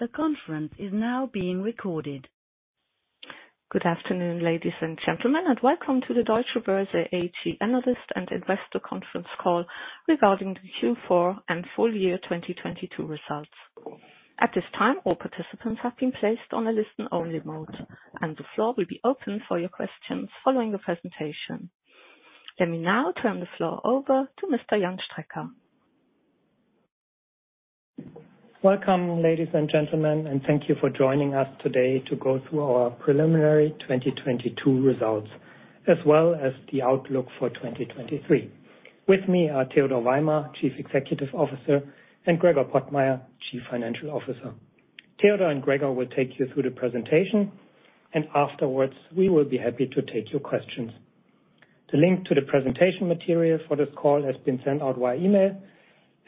The conference is now being recorded. Good afternoon, ladies and gentlemen, and welcome to the Deutsche Börse AG Analyst and Investor Conference Call regarding the Q4 and full year 2022 results. At this time, all participants have been placed on a listen-only mode, and the floor will be open for your questions following the presentation. Let me now turn the floor over to Mr. Jan Strecker. Welcome, ladies and gentlemen. Thank you for joining us today to go through our preliminary 2022 results, as well as the outlook for 2023. With me are Theodor Weimer, Chief Executive Officer, and Gregor Pottmeyer, Chief Financial Officer. Theodor and Gregor will take you through the presentation, and afterwards, we will be happy to take your questions. The link to the presentation material for this call has been sent out via email,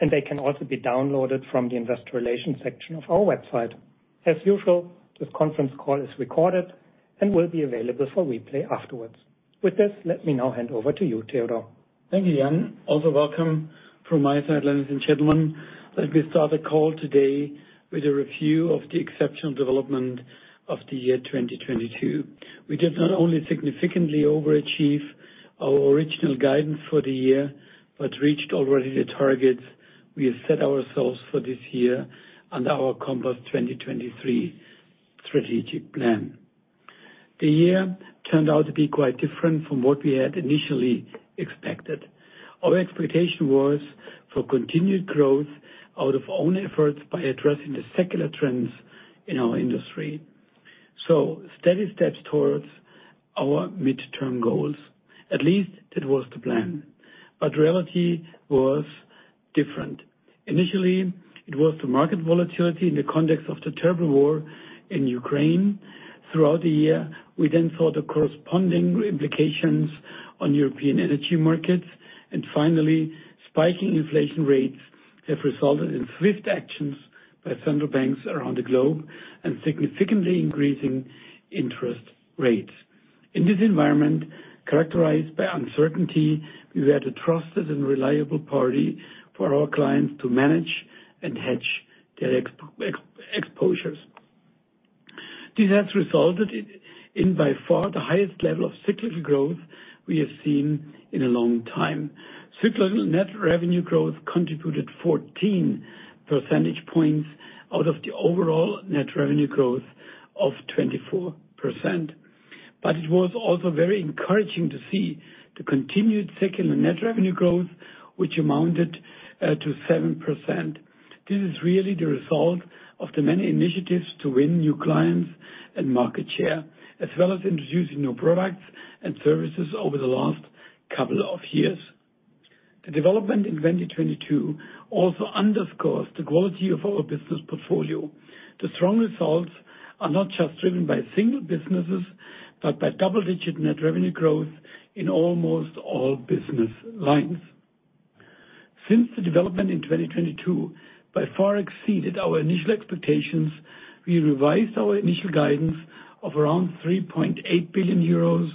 and they can also be downloaded from the investor relations section of our website. As usual, this conference call is recorded and will be available for replay afterwards. With this, let me now hand over to you, Theodor. Thank you, Jan. Also welcome from my side, ladies and gentlemen. Let me start the call today with a review of the exceptional development of the year 2022. We did not only significantly overachieve our original guidance for the year but reached already the targets we have set ourselves for this year under our Compass 2023 strategic plan. The year turned out to be quite different from what we had initially expected. Our expectation was for continued growth out of own efforts by addressing the secular trends in our industry, so steady steps towards our midterm goals. At least that was the plan, but reality was different. Initially, it was the market volatility in the context of the terrible war in Ukraine. Throughout the year, we then saw the corresponding implications on European energy markets, and finally, spiking inflation rates have resulted in swift actions by central banks around the globe and significantly increasing interest rates. In this environment characterized by uncertainty, we were the trusted and reliable party for our clients to manage and hedge their exposures. This has resulted in by far the highest level of cyclical growth we have seen in a long time. Cyclical net revenue growth contributed 14 percentage points out of the overall net revenue growth of 24%. It was also very encouraging to see the continued secular net revenue growth, which amounted to 7%. This is really the result of the many initiatives to win new clients and market share, as well as introducing new products and services over the last couple of years. The development in 2022 also underscores the quality of our business portfolio. The strong results are not just driven by single businesses, but by double-digit net revenue growth in almost all business lines. Since the development in 2022 by far exceeded our initial expectations, we revised our initial guidance of around 3.8 billion euros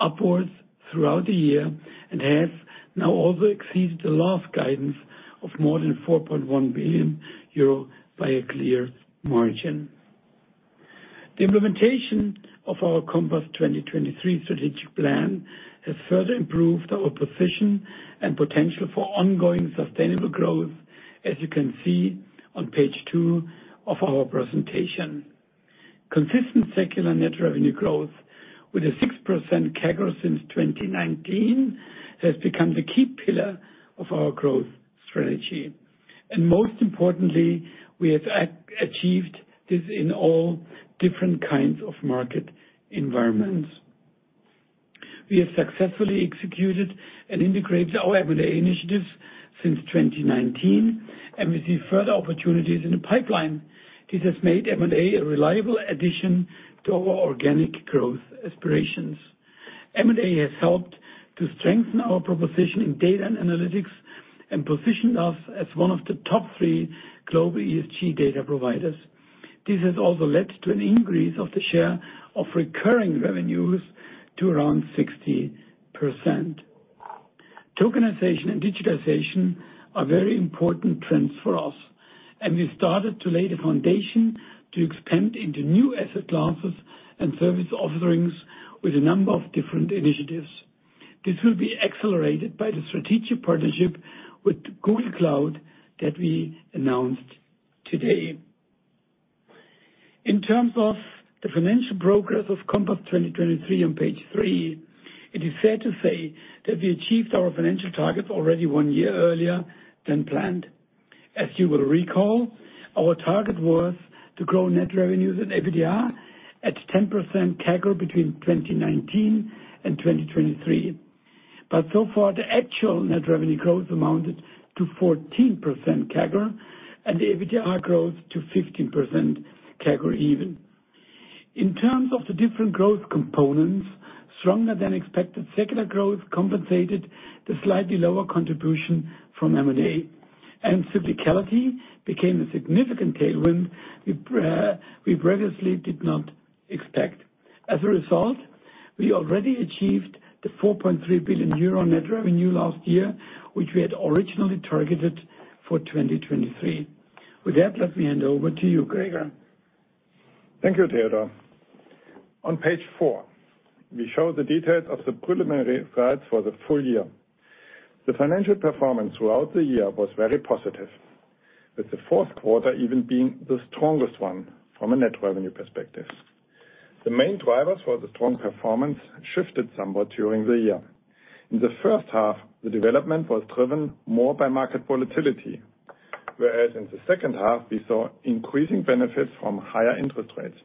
upwards throughout the year and has now also exceeded the last guidance of more than 4.1 billion euro by a clear margin. The implementation of our Compass 2023 strategic plan has further improved our position and potential for ongoing sustainable growth, as you can see on page two of our presentation. Consistent secular net revenue growth with a 6% CAGR since 2019 has become the key pillar of our growth strategy. Most importantly, we have achieved this in all different kinds of market environments. We have successfully executed and integrated our M&A initiatives since 2019. We see further opportunities in the pipeline. This has made M&A a reliable addition to our organic growth aspirations. M&A has helped to strengthen our proposition in data and analytics and positioned us as one of the top three global ESG data providers. This has also led to an increase of the share of recurring revenues to around 60%. Tokenization and digitization are very important trends for us. We started to lay the foundation to expand into new asset classes and service offerings with a number of different initiatives. This will be accelerated by the strategic partnership with Google Cloud that we announced today. In terms of the financial progress of Compass 2023 on page three, it is fair to say that we achieved our financial targets already one year earlier than planned. As you will recall, our target was to grow net revenues and EBITDA at 10% CAGR between 2019 and 2023. So far, the actual net revenue growth amounted to 14% CAGR and the EBITDA growth to 15% CAGR even. In terms of the different growth components, stronger than expected secular growth compensated the slightly lower contribution from M&A. Cyclicality became a significant tailwind we previously did not expect. As a result, we already achieved the 4.3 billion euro net revenue last year, which we had originally targeted for 2023. With that, let me hand over to you, Gregor. Thank you, Theodor. On page four, we show the details of the preliminary guides for the full year. The financial performance throughout the year was very positive, with Q4 even being the strongest one from a net revenue perspective. The main drivers for the strong performance shifted somewhat during the year. In the first half, the development was driven more by market volatility, whereas in the second half, we saw increasing benefits from higher interest rates.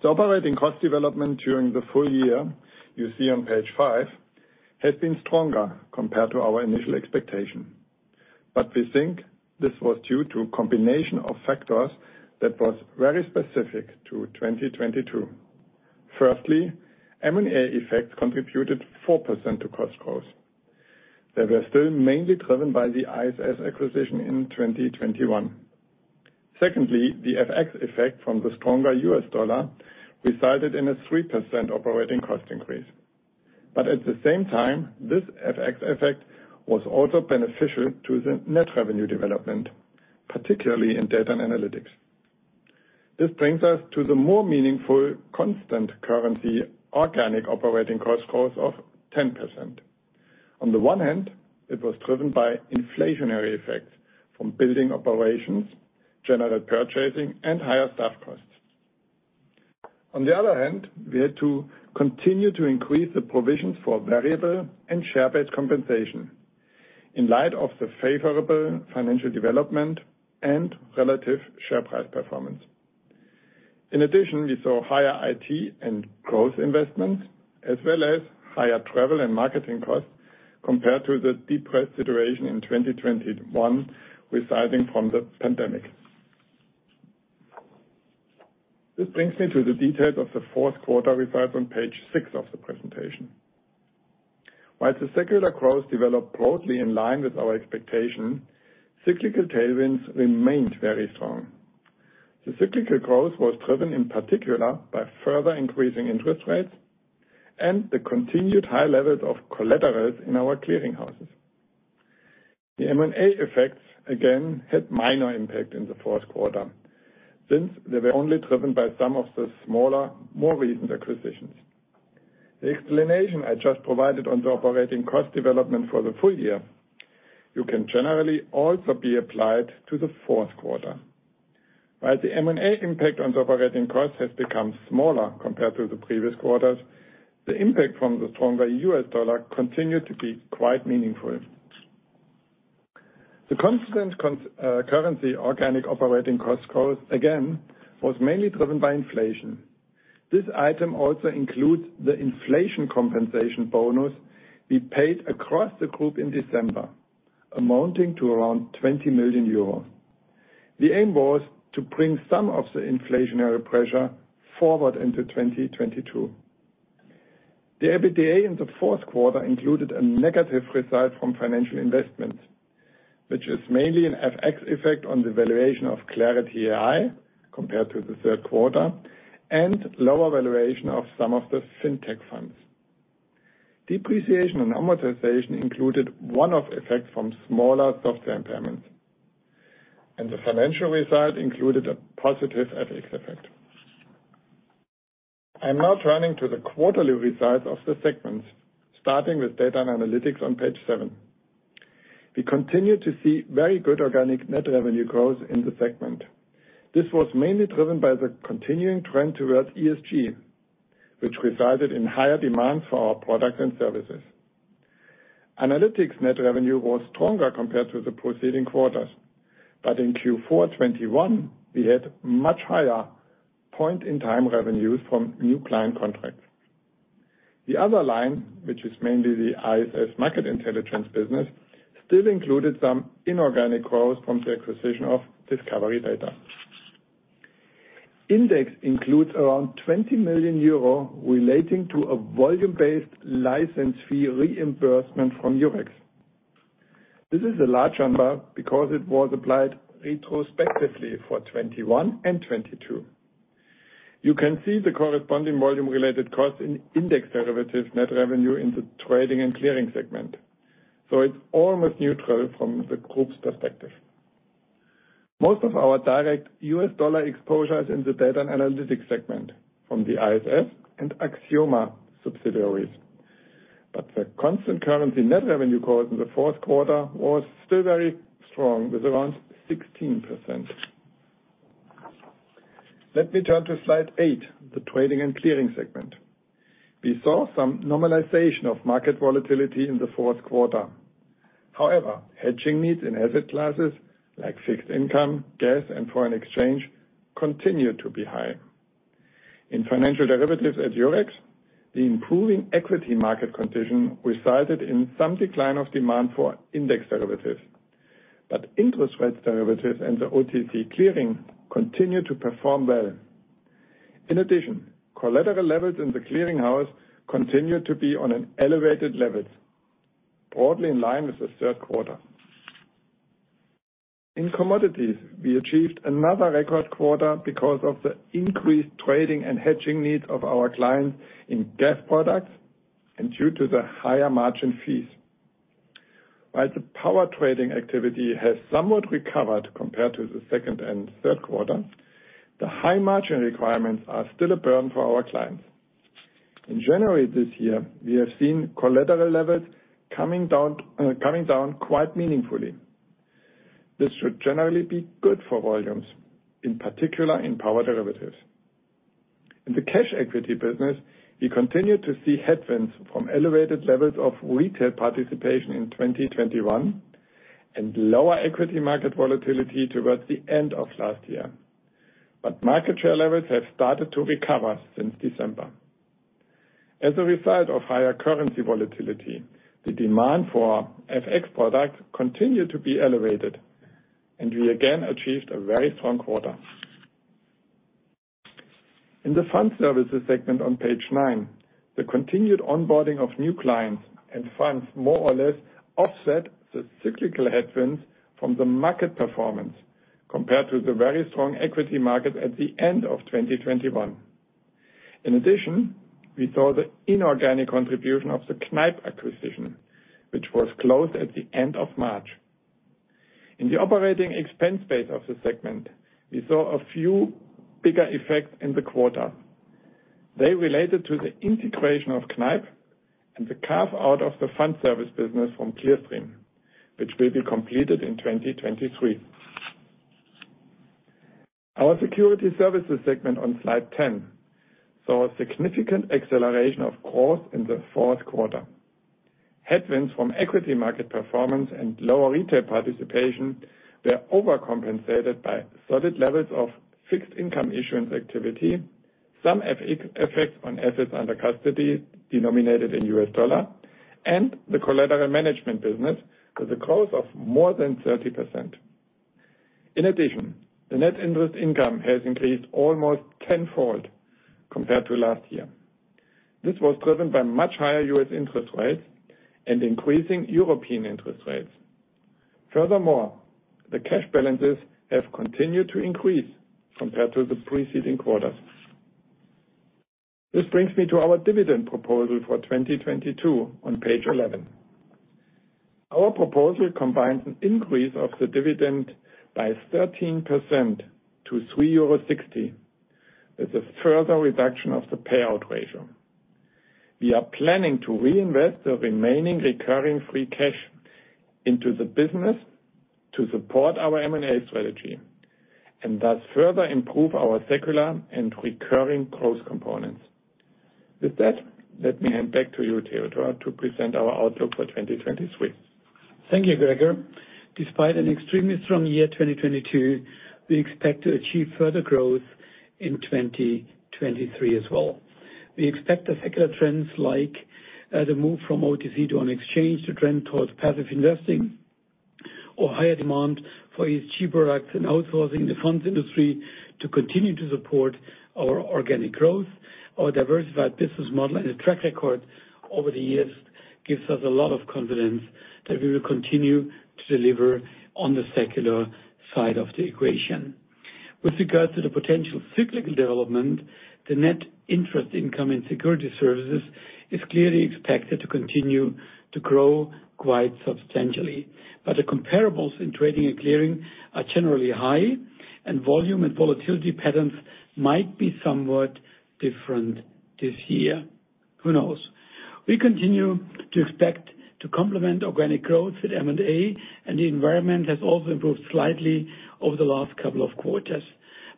The operating cost development during the full year, you see on page five, had been stronger compared to our initial expectation. We think this was due to a combination of factors that was very specific to 2022. Firstly, M&A effects contributed 4% to cost growth. They were still mainly driven by the ISS acquisition in 2021. The FX effect from the stronger U.S. dollar resulted in a 3% operating cost increase. At the same time, this FX effect was also beneficial to the net revenue development, particularly in data and analytics. This brings us to the more meaningful constant currency organic operating cost growth of 10%. On the one hand, it was driven by inflationary effects from building operations, general purchasing, and higher staff costs. On the other hand, we had to continue to increase the provisions for variable and share-based compensation in light of the favorable financial development and relative share price performance. In addition, we saw higher IT and growth investments, as well as higher travel and marketing costs compared to the depressed situation in 2021 resulting from the pandemic. This brings me to the details of Q4, which are on page six of the presentation. While the secular growth developed broadly in line with our expectations, cyclical tailwinds remained very strong. The cyclical growth was driven in particular by further increasing interest rates and the continued high levels of collaterals in our clearing houses. The M&A effects, again, had minor impact in Q4, since they were only driven by some of the smaller, more recent acquisitions. The explanation I just provided on the operating cost development for the full year, you can generally also be applied to Q4. While the M&A impact on the operating cost has become smaller compared to the previous quarters, the impact from the stronger U.S. dollar continued to be quite meaningful. The constant currency organic operating cost growth, again, was mainly driven by inflation. This item also includes the inflation compensation bonus we paid across the group in December, amounting to around 20 million euros. The aim was to bring some of the inflationary pressure forward into 2022. The EBITDA in Q4 included a negative result from financial investment, which is mainly an FX effect on the valuation of Clarity AI compared to Q3 and lower valuation of some of the FinTech funds. Depreciation and amortization included one-off effect from smaller software impairments, and the financial result included a positive FX effect. I am now turning to the quarterly results of the segments, starting with data and analytics on page seven. We continue to see very good organic net revenue growth in the segment. This was mainly driven by the continuing trend towards ESG, which resulted in higher demand for our products and services. Analytics net revenue was stronger compared to the preceding quarters, but in Q4 2021, we had much higher point-in-time revenues from new client contracts. The other line, which is mainly the ISS Market Intelligence business, still included some inorganic growth from the acquisition of Discovery Data. Index includes around 20 million euro relating to a volume-based license fee reimbursement from Eurex. This is a large number because it was applied retrospectively for 2021 and 2022. You can see the corresponding volume-related costs in index derivatives net revenue in the trading and clearing segment, so it's almost neutral from the group's perspective. Most of our direct U.S. dollar exposure is in the data and analytics segment from the ISS and Axioma subsidiaries. The constant currency net revenue growth in Q4 was still very strong with around 16%. Let me turn to slide eight, the trading and clearing segment. We saw some normalization of market volatility in Q4. However, hedging needs in asset classes like fixed income, gas, and foreign exchange continued to be high. In financial derivatives at Eurex, the improving equity market condition resulted in some decline of demand for index derivatives. Interest rates derivatives and the OTC clearing continued to perform well. In addition, collateral levels in the clearing house continue to be on an elevated level, broadly in line with Q3. In commodities, we achieved another record quarter because of the increased trading and hedging needs of our clients in gas products, and due to the higher margin fees. The power trading activity has somewhat recovered compared to the Q2 and Q3, the high margin requirements are still a burden for our clients. In January this year, we have seen collateral levels coming down quite meaningfully. This should generally be good for volumes, in particular in power derivatives. In the cash equity business, we continue to see headwinds from elevated levels of retail participation in 2021, and lower equity market volatility towards the end of last year. Market share levels have started to recover since December. As a result of higher currency volatility, the demand for FX products continue to be elevated, and we again achieved a very strong quarter. In the fund services segment on page nine, the continued onboarding of new clients and funds more or less offset the cyclical headwinds from the market performance compared to the very strong equity market at the end of 2021. We saw the inorganic contribution of the Kneip acquisition, which was closed at the end of March. In the operating expense base of the segment, we saw a few bigger effects in the quarter. They related to the integration of Kneip and the carve-out of the fund service business from Clearstream, which will be completed in 2023. Our security services segment on slide 10 saw a significant acceleration, of course, in Q4. Headwinds from equity market performance and lower retail participation were overcompensated by solid levels of fixed income issuance activity, some effects on assets under custody denominated in U.S. dollar, and the collateral management business with a growth of more than 30%. The net interest income has increased almost tenfold compared to last year. This was driven by much higher U.S. interest rates and increasing European interest rates. The cash balances have continued to increase compared to the preceding quarters. This brings me to our dividend proposal for 2022 on page 11. Our proposal combines an increase of the dividend by 13% to 3.60 euros, with a further reduction of the payout ratio. We are planning to reinvest the remaining recurring free cash into the business to support our M&A strategy, and thus further improve our secular and recurring growth components. With that, let me hand back to you, Theodor, to present our outlook for 2023. Thank you, Gregor. Despite an extremely strong year, 2022, we expect to achieve further growth in 2023 as well. We expect the secular trends like the move from OTC to an exchange, the trend towards passive investing, or higher demand for these cheap products and outsourcing the funds industry to continue to support our organic growth. Our diversified business model and track record over the years gives us a lot of confidence that we will continue to deliver on the secular side of the equation. With regards to the potential cyclical development, the net interest income and security services is clearly expected to continue to grow quite substantially. The comparables in trading and clearing are generally high, and volume and volatility patterns might be somewhat different this year. Who knows? We continue to expect to complement organic growth with M&A. The environment has also improved slightly over the last couple of quarters.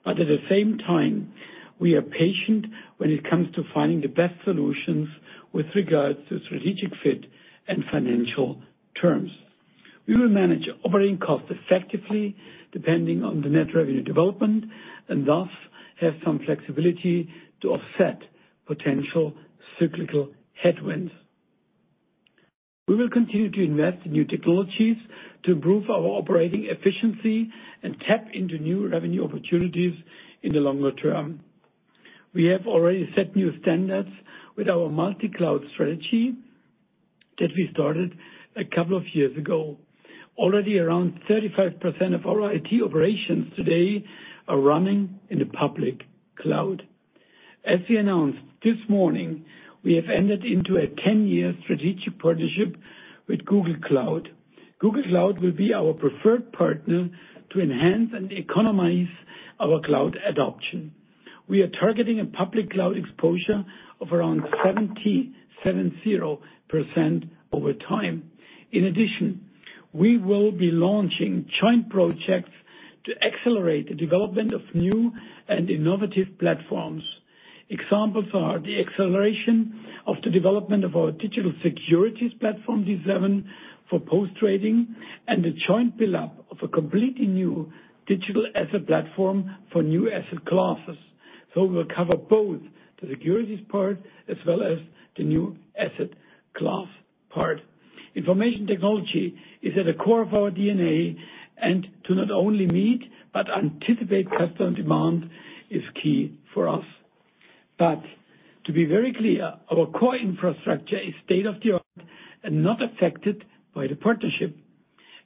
At the same time, we are patient when it comes to finding the best solutions with regards to strategic fit and financial terms. We will manage operating costs effectively depending on the net revenue development, and thus have some flexibility to offset potential cyclical headwinds. We will continue to invest in new technologies to improve our operating efficiency and tap into new revenue opportunities in the longer term. We have already set new standards with our multi-cloud strategy that we started a couple of years ago. Already, around 35% of our IT operations today are running in the public cloud. As we announced this morning, we have entered into a 10-year strategic partnership with Google Cloud. Google Cloud will be our preferred partner to enhance and economize our cloud adoption. We are targeting a public cloud exposure of around 70% over time. In addition, we will be launching joint projects to accelerate the development of new and innovative platforms. Examples are the acceleration of the development of our digital securities platform, D7, for post-trading, and the joint build-up of a completely new digital asset platform for new asset classes. We'll cover both the securities part as well as the new asset class part. Information technology is at the core of our DNA, and to not only meet but anticipate customer demand is key for us. To be very clear, our core infrastructure is state-of-the-art and not affected by the partnership.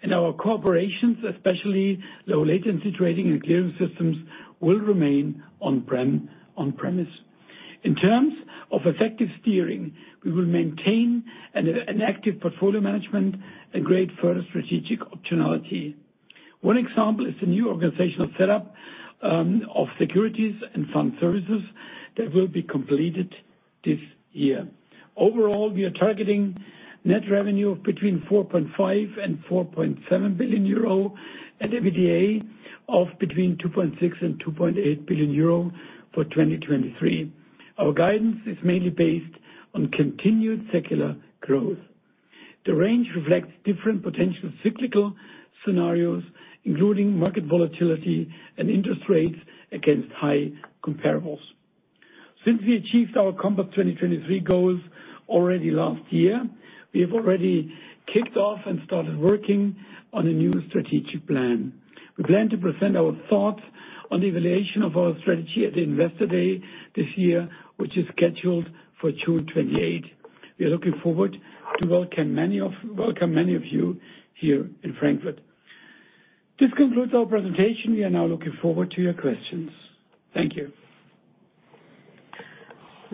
Our corporations, especially low latency trading and clearing systems, will remain on-premise. In terms of effective steering, we will maintain an active portfolio management and create further strategic optionality. One example is the new organizational setup of securities and fund services that will be completed this year. Overall, we are targeting net revenue of between 4.5 and 4.7 billion and EBITDA of between 2.6 and 2.8 billion for 2023. Our guidance is mainly based on continued secular growth. The range reflects different potential cyclical scenarios, including market volatility and interest rates against high comparables. Since we achieved our Compass 2023 goals already last year, we have already kicked off and started working on a new strategic plan. We plan to present our thoughts on the evaluation of our strategy at the Investor Day this year, which is scheduled for June 28. We are looking forward to welcome many of you here in Frankfurt. This concludes our presentation. We are now looking forward to your questions. Thank you.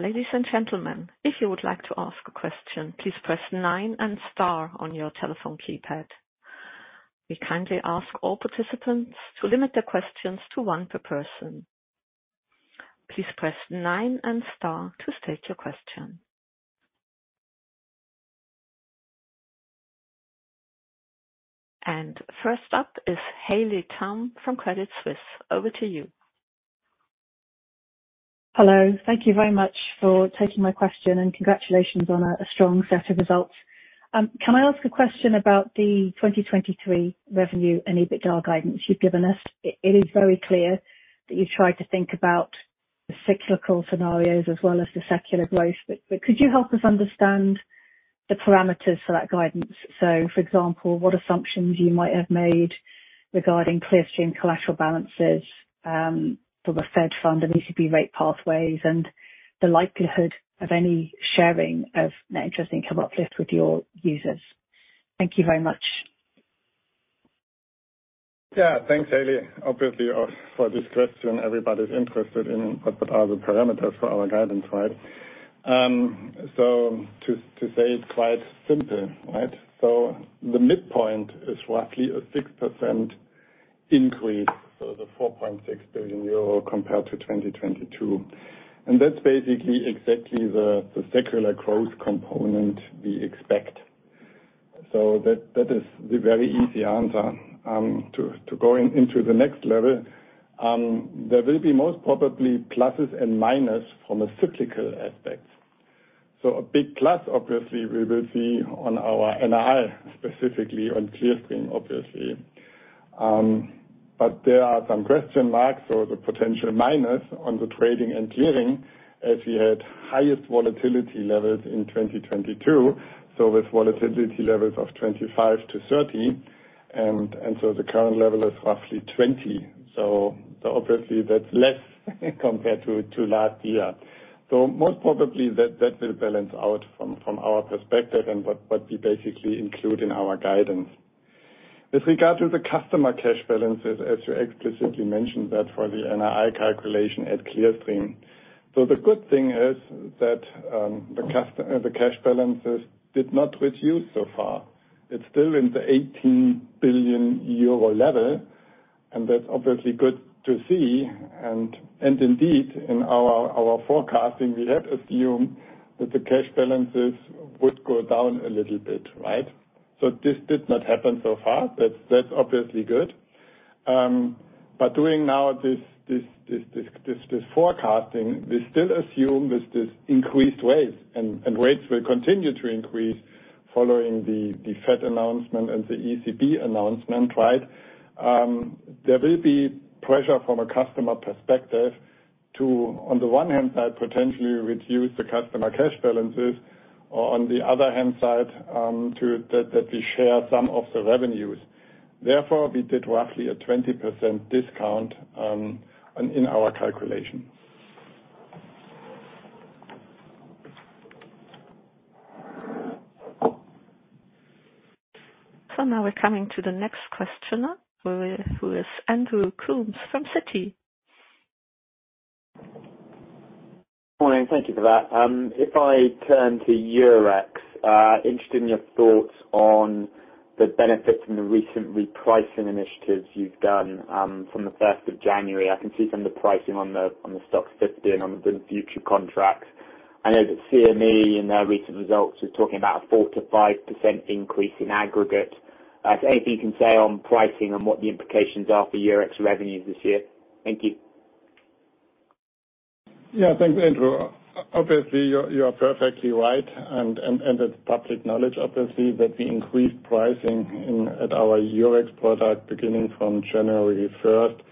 Ladies and gentlemen, if you would like to ask a question, please press nine and star on your telephone keypad. We kindly ask all participants to limit their questions to one per person. Please press nine and star to state your question. First up is Haley Tam from Credit Suisse. Over to you. Hello. Thank you very much for taking my question. Congratulations on a strong set of results. Can I ask a question about the 2023 revenue and EBITDA guidance you've given us? It is very clear that you tried to think about the cyclical scenarios as well as the secular growth, but could you help us understand the parameters for that guidance? For example, what assumptions you might have made regarding Clearstream collateral balances, for the Fed Fund and ECB rate pathways and the likelihood of any sharing of net interest income uplift with your users? Thank you very much. Yeah. Thanks, Haley. Obviously, for this question, everybody's interested in what are the parameters for our guidance, right? To say it's quite simple, right? The midpoint is roughly a 6% increase, the 4.6 billion euro compared to 2022. That's basically exactly the secular growth component we expect. That is the very easy answer. To go into the next level, there will be most probably pluses and minors from a cyclical aspect. A big plus, obviously, we will see on our NII, specifically on Clearstream, obviously. There are some question marks or the potential minors on the trading and clearing as we had highest volatility levels in 2022. With volatility levels of 25-30, and so the current level is roughly 20. Obviously that's less compared to last year. Most probably that will balance out from our perspective and what we basically include in our guidance. With regard to the customer cash balances, as you explicitly mentioned that for the NII calculation at Clearstream. The good thing is that the cash balances did not reduce so far. It's still in the 18 billion euro level, that's obviously good to see. Indeed in our forecasting, we had assumed that the cash balances would go down a little bit, right? This did not happen so far. That's obviously good. Doing now this forecasting, we still assume that this increased rates, and rates will continue to increase following the Fed announcement and the ECB announcement, right? There will be pressure from a customer perspective to, on the one hand side, potentially reduce the customer cash balances, or on the other hand side, that we share some of the revenues. Therefore, we did roughly a 20% discount in our calculation. Now we're coming to the next questioner, who is Andrew Coombs from Citi. Morning. Thank you for that. If I turn to Eurex, interested in your thoughts on the benefit from the recent repricing initiatives you've done, from the first of January. I can see some of the pricing on the EURO STOXX 50 and on the future contracts. I know that CME in their recent results was talking about a 4%-5% increase in aggregate. If anything you can say on pricing and what the implications are for Eurex revenues this year. Thank you. Yeah. Thanks, Andrew. Obviously, you're perfectly right and it's public knowledge, obviously, that we increased pricing at our Eurex product beginning from January first.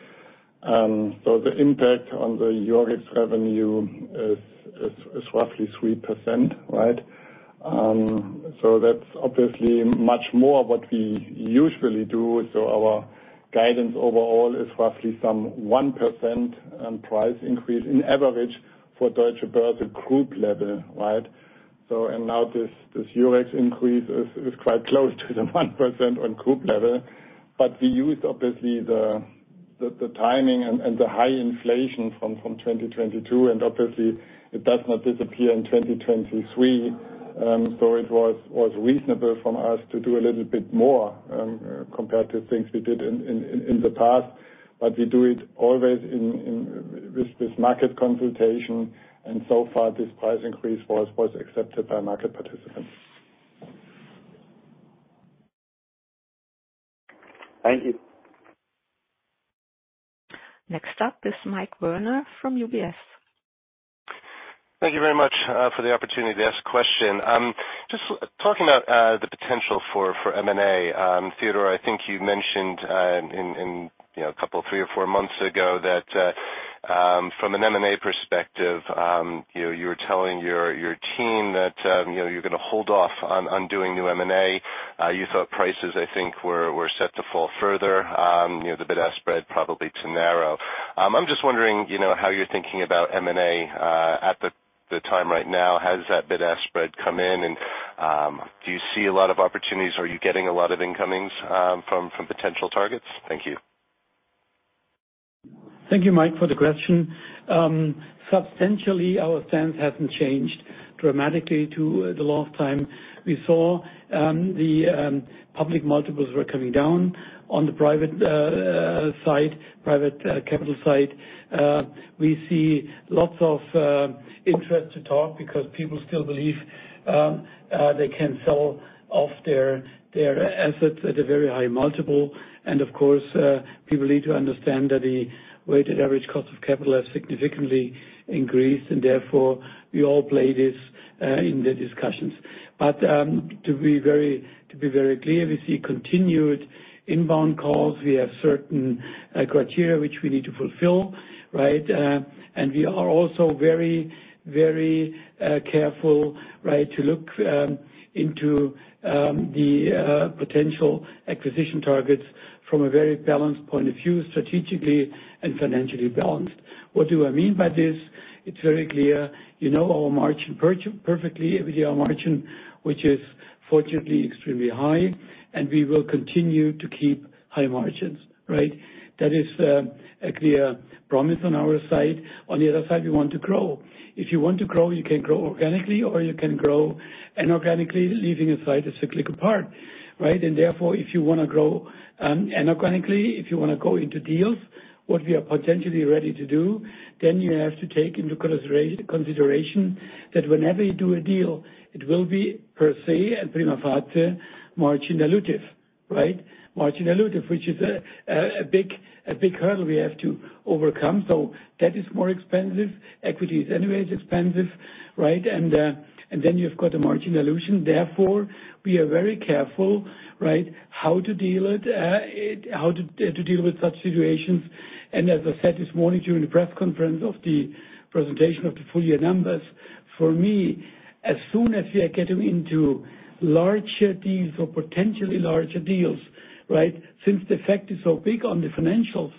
The impact on the Eurex revenue is roughly 3%, right? That's obviously much more what we usually do. Our guidance overall is roughly some 1% and price increase in average for Deutsche Börse group level, right? Now this Eurex increase is quite close to the 1% on group level. We use obviously the timing and the high inflation from 2022, and obviously it does not disappear in 2023. It was reasonable from us to do a little bit more compared to things we did in the past. We do it always in with this market consultation, and so far this price increase was accepted by market participants. Thank you. Next up is Michael Werner from UBS. Thank you very much for the opportunity to ask a question. Just talking about the potential for M&A. Theodore, I think you mentioned in, you know, a couple three or four months ago that from an M&A perspective, you know, you were telling your team that, you know, you're gonna hold off on undoing new M&A. You thought prices, I think, were set to fall further. You know, the bid-ask spread probably to narrow. I'm just wondering, you know, how you're thinking about M&A at the time right now. Has that bid-ask spread come in? Do you see a lot of opportunities? Are you getting a lot of incomings from potential targets? Thank you. Thank you, Mike, for the question. Substantially, our stance hasn't changed dramatically to the last time we saw the public multiples were coming down on the private site, private capital site. We see lots of interest to talk because people still believe they can sell off their assets at a very high multiple. Of course, people need to understand that the weighted average cost of capital has significantly increased, and therefore we all play this in the discussions. To be very clear, we see continued inbound calls. We have certain criteria which we need to fulfill, right? We are also very careful, right, to look into the potential acquisition targets from a very balanced point of view, strategically and financially balanced. What do I mean by this? It's very clear. You know our margin perfectly. With our margin, which is fortunately extremely high, and we will continue to keep high margins, right? That is a clear promise on our side. On the other side, we want to grow. If you want to grow, you can grow organically or you can grow inorganically, leaving aside the cyclical part, right? Therefore, if you wanna grow inorganically, if you wanna go into deals, what we are potentially ready to do, then you have to take into consideration that whenever you do a deal, it will be per se and prima facie margin dilutive, right? Margin dilutive, which is a big hurdle we have to overcome. That is more expensive. Equity is anyway expensive, right? Then you've got the margin dilution. Therefore, we are very careful, right, how to deal it, how to deal with such situations. And as I said this morning during the press conference of the presentation of the full year numbers, for me, as soon as we are getting into larger deals or potentially larger deals, right, since the effect is so big on the financials,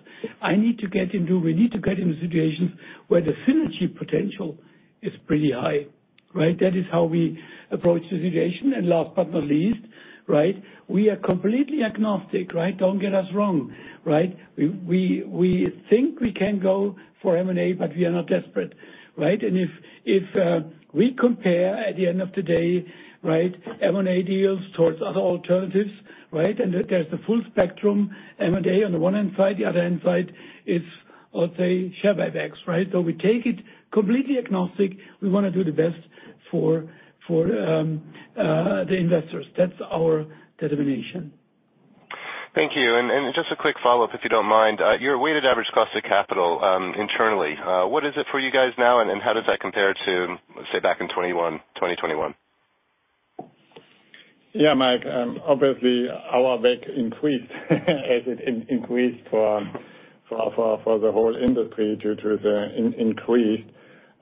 we need to get into situations where the synergy potential is pretty high, right? That is how we approach the situation. And last but not least, right, we are completely agnostic, right? Don't get us wrong, right? We think we can go for M&A, but we are not desperate, right? And if we compare at the end of the day, right, M&A deals towards other alternatives, right? And there's the full spectrum M&A on the one hand side. The other hand side is, let's say, share buybacks, right? We take it completely agnostic. We wanna do the best for the investors. That's our determination. Thank you. Just a quick follow-up, if you don't mind. Your weighted average cost of capital, internally, what is it for you guys now, and how does that compare to, let's say, back in 2021? Yeah, Mike. obviously our WACC increased as it increased for the whole industry due to the increase.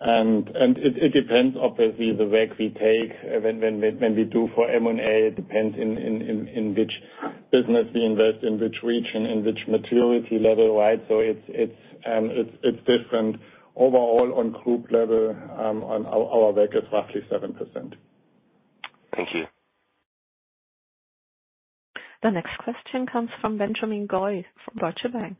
It depends obviously the WACC we take when we do for M&A. It depends in which business we invest, in which region, in which maturity level, right? It's different. Overall on group level, our WACC is roughly 7%. Thank you. The next question comes from Benjamin Goy from Deutsche Bank.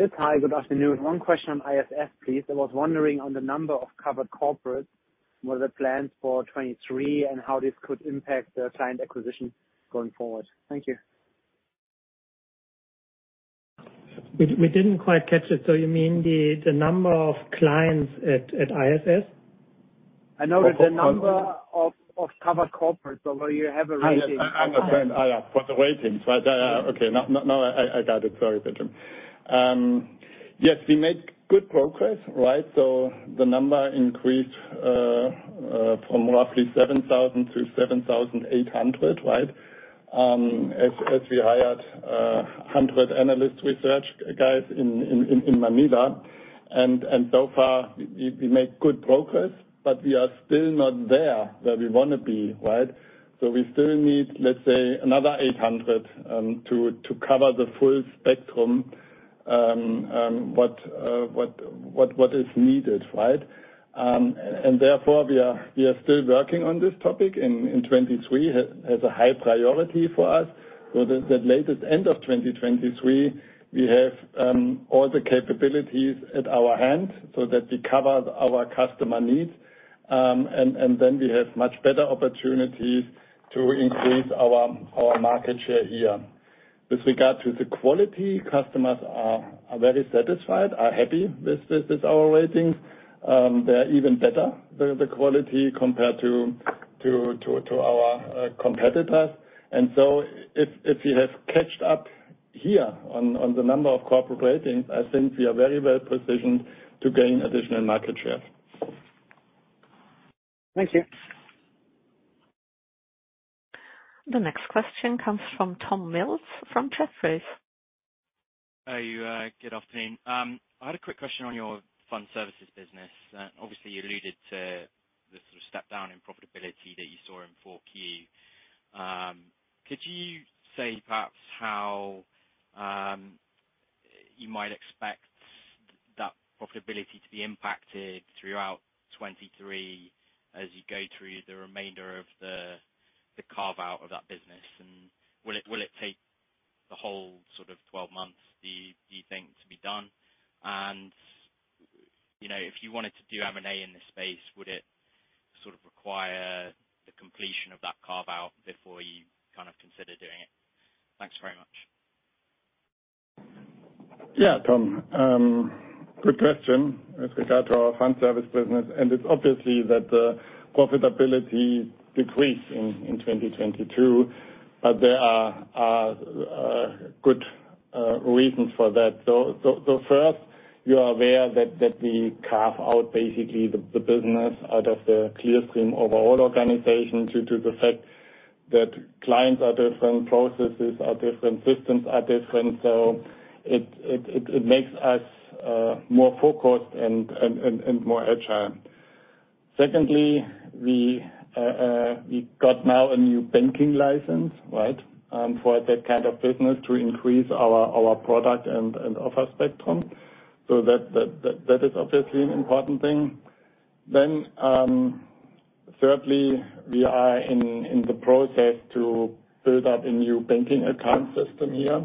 Yes. Hi, good afternoon. One question on ISS, please. I was wondering on the number of covered corporates, were there plans for 2023 and how this could impact the client acquisition going forward? Thank you. We didn't quite catch it. You mean the number of clients at ISS? I know the number of covered corporates over you have a rating... I understand. Yeah. For the ratings, right? Okay. Now I got it. Sorry, Benjamin. Yes, we make good progress, right? The number increased from roughly 7,000 to 7,800, right? As we hired 100 analyst research guys in Manila. So far we make good progress, but we are still not there where we want to be, right? We still need, let's say, another 800 to cover the full spectrum what is needed, right? Therefore, we are still working on this topic in 2023 as a high priority for us. That at latest end of 2023, we have all the capabilities at our hand so that we cover our customer needs, and then we have much better opportunities to increase our market share here. With regard to the quality, customers are very satisfied, are happy with our ratings. They're even better, the quality compared to our competitors. If you have caught up here on the number of corporate ratings, I think we are very well-positioned to gain additional market share. Thank you. The next question comes from Tom Mills from Jefferies. Hi. Good afternoon. I had a quick question on your fund services business. Obviously, you alluded to the sort of step down in profitability that you saw in Q4. Could you say perhaps how you might expect that profitability to be impacted throughout 2023 as you go through the remainder of the carve-out of that business? Will it take the whole sort of 12 months you think to be done? You know, if you wanted to do M&A in this space, would it sort of require the completion of that carve-out before you kind of consider doing it? Thanks very much. Yeah, Tom. Good question with regard to our fund service business. It's obviously that the profitability decreased in 2022, but there are good reasons for that. First, you are aware that we carve out basically the business out of the Clearstream overall organization due to the fact that clients are different, processes are different, systems are different. It makes us more focused and more agile. Secondly, we got now a new banking license, right? For that kind of business to increase our product and offer spectrum. That is obviously an important thing. Thirdly, we are in the process to build up a new banking account system here.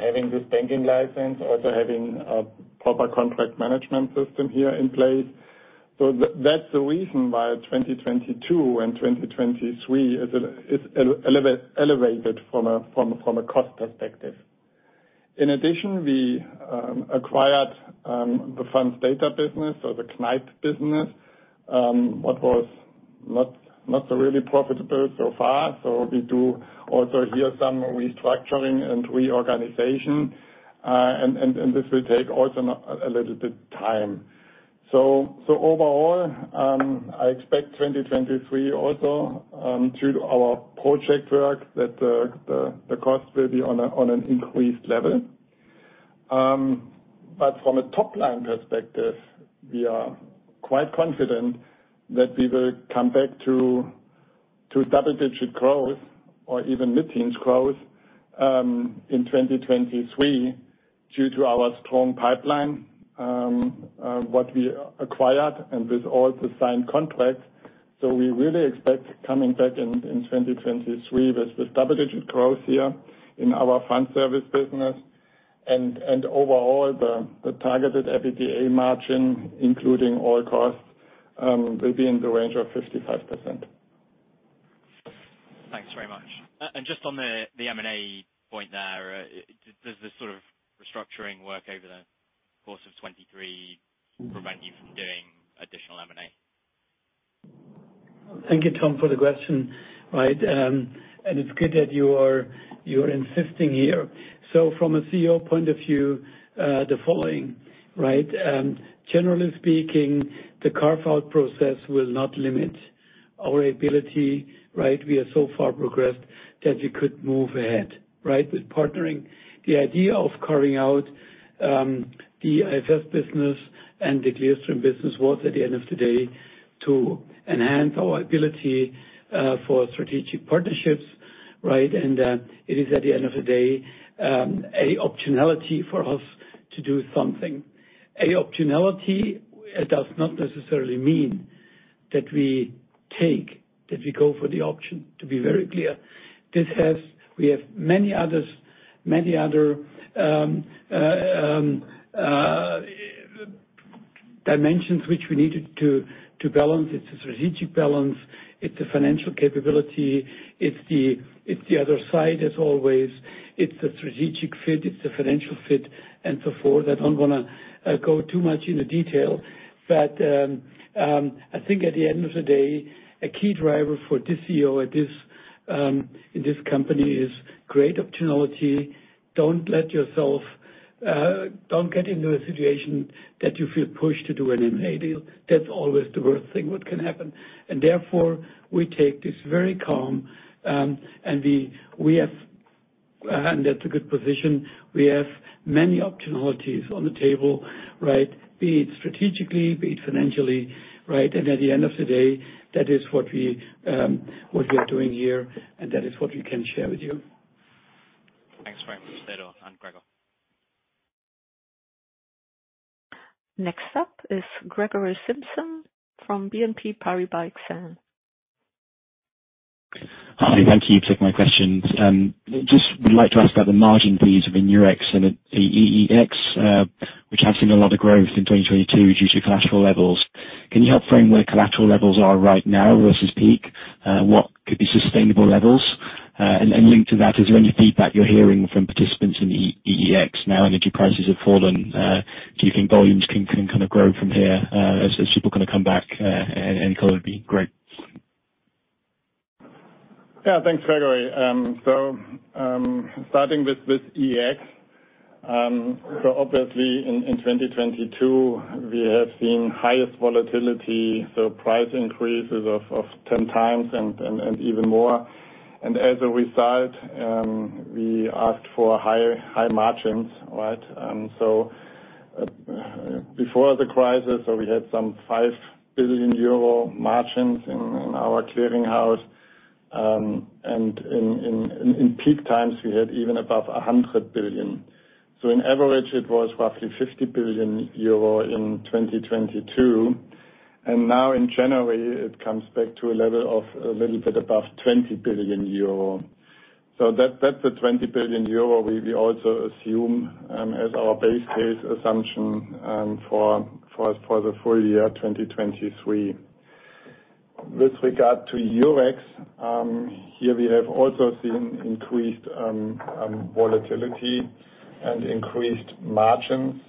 Having this banking license, also having a proper contract management system here in place. That's the reason why 2022 and 2023 is elevated from a cost perspective. In addition, we acquired the funds data business or the Kneip business, what was not really profitable so far. We do also hear some restructuring and reorganization, and this will take also a little bit time. Overall, I expect 2023 also through our project work that the cost will be on an increased level. From a top-line perspective, we are quite confident that we will come back to double-digit growth or even mid-teens growth in 2023 due to our strong pipeline, what we acquired and with all the signed contracts. We really expect coming back in 2023 with this double-digit growth here in our fund services business. Overall the targeted EBITDA margin, including all costs, will be in the range of 55%. Thanks very much. Just on the M&A point there, does this sort of restructuring work over the course of 2023 prevent you from doing additional M&A? Thank you, Tom, for the question. Right. It's good that you are insisting here. From a CEO point of view, the following, right? Generally speaking, the carve-out process will not limit our ability, right? We are so far progressed that we could move ahead, right? With partnering the idea of carrying out the IFS business and the Clearstream business was at the end of the day to enhance our ability for strategic partnerships, right? It is at the end of the day, a optionality for us to do something. A optionality, it does not necessarily mean that we go for the option to be very clear. We have many other dimensions which we needed to balance. It's a strategic balance, it's a financial capability, it's the, it's the other side as always, it's the strategic fit, it's the financial fit, and so forth. I don't wanna go too much into detail. I think at the end of the day, a key driver for this CEO at this in this company is great optionality. Don't let yourself don't get into a situation that you feel pushed to do an M&A deal. That's always the worst thing what can happen. Therefore, we take this very calm, and we have and that's a good position. We have many options on the table, right? Be it strategically, be it financially, right? At the end of the day, that is what we what we are doing here, and that is what we can share with you. Thanks very much, Theodor and Gregor. Next up is Gregory Simpson from BNP Paribas Exane. Hi. Thank you for taking my questions. Just would like to ask about the margin fees of Eurex and the EEX, which have seen a lot of growth in 2022 due to collateral levels. Can you help frame where collateral levels are right now versus peak? What could be sustainable levels? Linked to that, is there any feedback you're hearing from participants in EEX now energy prices have fallen? Do you think volumes can kind of grow from here, as people kind of come back, and kind of be great? Yeah. Thanks, Gregory. Starting with EEX, obviously in 2022 we have seen highest volatility, price increases of 10x and even more. As a result, we asked for high margins, right? Before the crisis, we had some 5 billion euro margins in our clearing house. In peak times, we had even above 100 billion. In average it was roughly 50 billion euro in 2022. Now in January it comes back to a level of a little bit above 20 billion euro. That's a 20 billion euro we also assume as our base case assumption for the full year 2023. With regard to Eurex, here we have also seen increased, volatility and increased margins.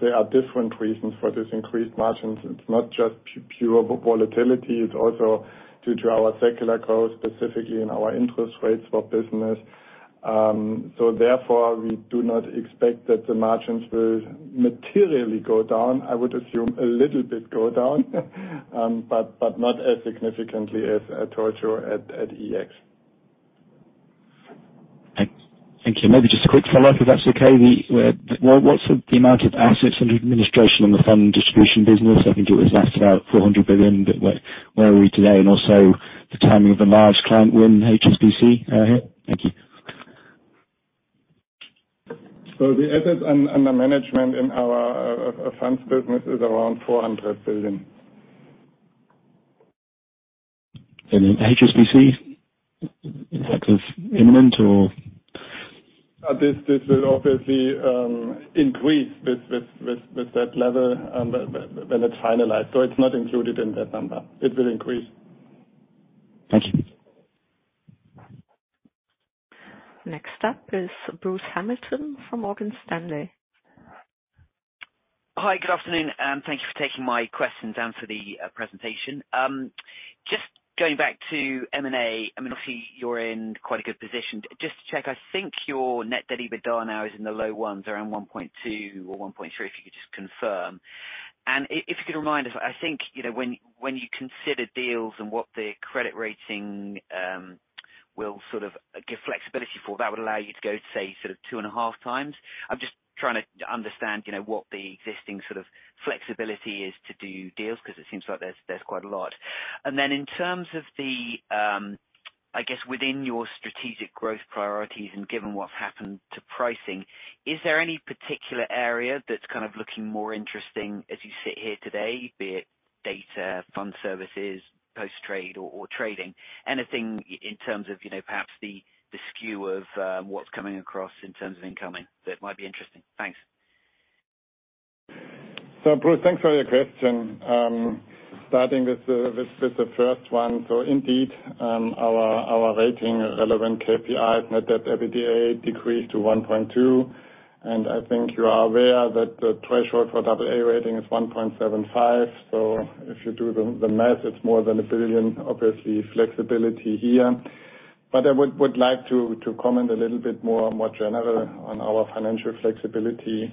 There are different reasons for this increased margins. It's not just pure volatility. It's also due to our secular growth, specifically in our interest rates for business. Therefore, we do not expect that the margins will materially go down. I would assume a little bit go down, but not as significantly as told you at EEX. Thank you. Maybe just a quick follow-up if that's okay. The what's the amount of assets under administration in the fund distribution business? I think it was last about 400 billion, but where are we today? Also the timing of the large client win HSBC here. Thank you. The assets under management in our funds business is around 400 billion. HSBC, is that imminent or? This will obviously increase with that level when it's finalized. It's not included in that number. It will increase. Thank you. Next up is Bruce Hamilton from Morgan Stanley. Hi, good afternoon, and thank you for taking my questions and for the presentation. Just going back to M&A, I mean, obviously you're in quite a good position. Just to check, I think your net debt EBITDA now is in the low ones, around 1.2 or 1.3, if you could just confirm. If you could remind us, I think, you know, when you consider deals and what the credit rating will sort of give flexibility for, that would allow you to go to, say, sort of 2.5x. I'm just trying to understand, you know, what the existing sort of flexibility is to do deals, because it seems like there's quite a lot. In terms of the, I guess, within your strategic growth priorities and given what's happened to pricing, is there any particular area that's kind of looking more interesting as you sit here today, be it data, fund services, post-trade or trading? Anything in terms of, you know, perhaps the skew of, what's coming across in terms of incoming that might be interesting. Thanks. Bruce, thanks for your question. Starting with the first one. Indeed, our rating relevant KPIs net debt EBITDA decreased to 1.2. I think you are aware that the threshold for AA rating is 1.75. If you do the math, it's more than 1 billion, obviously, flexibility here. I would like to comment a little bit more general on our financial flexibility.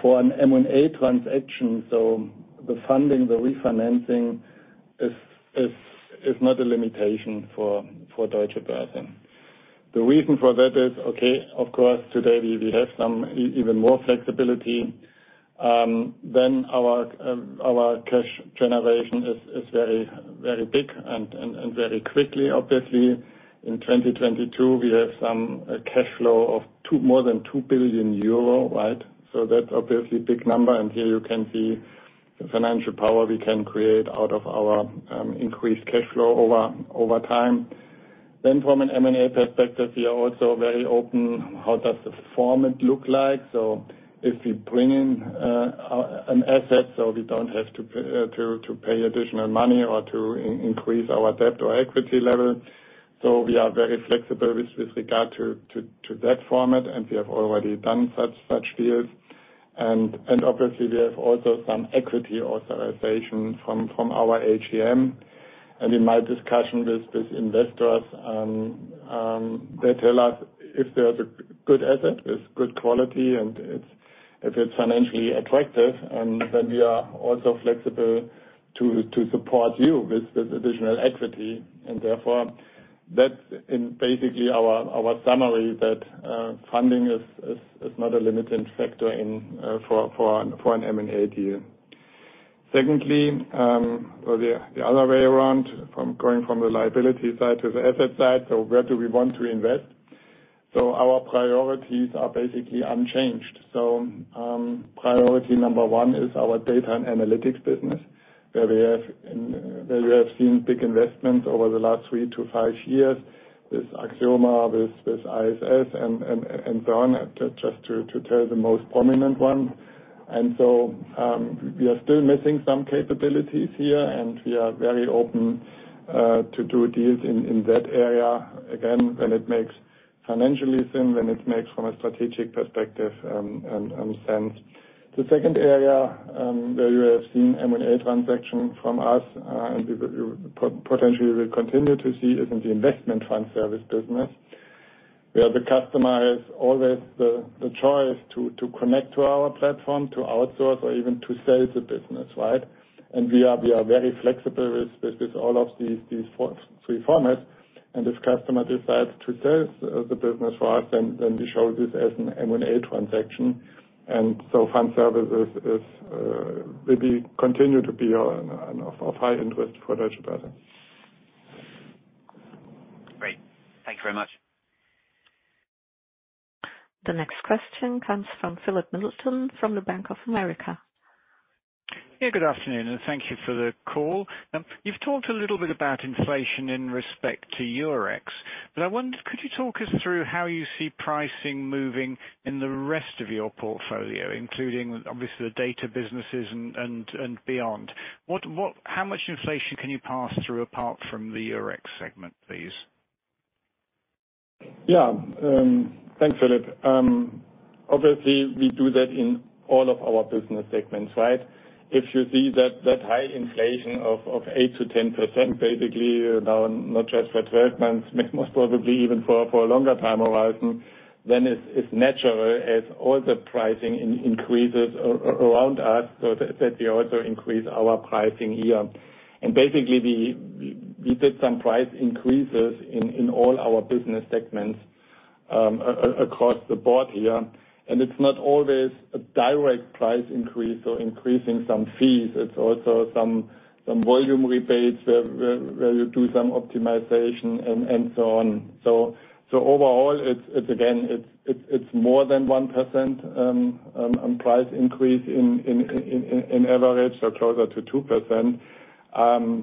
For an M&A transaction, the funding, the refinancing is not a limitation for Deutsche Börse. The reason for that is, okay, of course today we have some even more flexibility than our cash generation is very big and very quick. Obviously, in 2022 we have more than 2 billion euro cash flow, right? That's obviously big number, here you can see the financial power we can create out of our increased cash flow over time. From an M&A perspective, we are also very open how does the format look like. If we bring in an asset so we don't have to pay additional money or to increase our debt or equity level. We are very flexible with regard to that format, we have already done such deals. Obviously we have also some equity authorization from our AGM. In my discussion with these investors, they tell us if there's a good asset, it's good quality, and it's if it's financially attractive, then we are also flexible to support you with additional equity. Therefore that's in basically our summary that funding is not a limiting factor in for an M&A deal. Secondly, or the other way around from going from the liability side to the asset side. Where do we want to invest? Our priorities are basically unchanged. Priority number one is our data and analytics business, where we have seen big investments over the last three to five years with Axioma, with ISS and so on, just to tell the most prominent one. We are still missing some capabilities here, and we are very open to do deals in that area again, when it makes financially sense, when it makes from a strategic perspective, sense. The second area where you have seen M&A transaction from us, and we potentially will continue to see is in the Investment Fund Services business, where the customer is always the choice to connect to our platform, to outsource or even to sell the business, right? We are very flexible with all of these three formats. If customer decides to sell the business for us, then we show this as an M&A transaction. Fund services will be continue to be an of high interest for Deutsche Börse. Great. Thank you very much. The next question comes from Philip Middleton from the Bank of America. Yeah, good afternoon, and thank you for the call. You've talked a little bit about inflation in respect to Eurex, I wonder, could you talk us through how you see pricing moving in the rest of your portfolio, including obviously the data businesses and beyond. How much inflation can you pass through apart from the Eurex segment, please? Yeah. Thanks, Philip. Obviously we do that in all of our business segments, right? If you see that high inflation of 8%-10% basically now, not just for 12 months, most probably even for a longer time horizon, then it's natural as all the pricing increases around us, so that we also increase our pricing here. Basically we did some price increases in all our business segments across the board here. It's not always a direct price increase or increasing some fees. It's also some volume rebates where you do some optimization and so on. Overall it's again, it's more than 1% price increase in average, so closer to 2%.